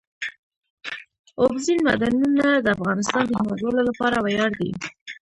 اوبزین معدنونه د افغانستان د هیوادوالو لپاره ویاړ دی.